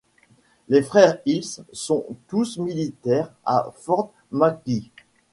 Les frères Hill sont tous militaires à Fort McGee.